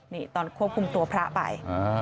นี่ตอนควบคุมตัวพระไป